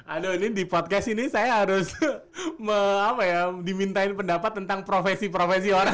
aduh ini di podcast ini saya harus dimintain pendapat tentang profesi profesi orang